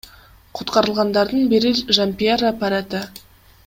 Куткарылгандардын бири Жампьеро Парете.